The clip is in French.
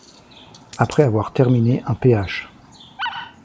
Après avoir terminé un Ph.